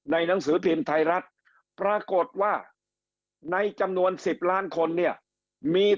หนังสือพิมพ์ไทยรัฐปรากฏว่าในจำนวน๑๐ล้านคนเนี่ยมี